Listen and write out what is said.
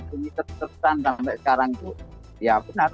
ini tetap tetap sampai sekarang itu ya benar